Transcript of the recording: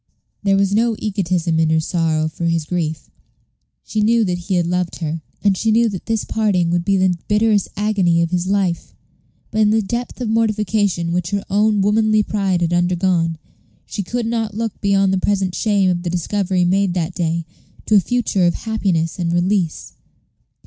There was no egotism in her sorrow for his grief. She knew that he had loved her, and she knew that this parting would be the bitterest agony of his life; but in the depth of mortification which her own womanly pride had undergone, she could not look beyond the present shame of the discovery made that day to a future of happiness and release.